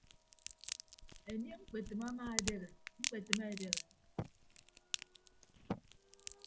Enie ñkpetịm ama edehe ñkpetịm edehe.